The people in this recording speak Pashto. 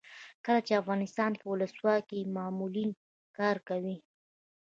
کله چې افغانستان کې ولسواکي وي معلولین کار کوي.